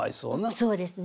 そうですね。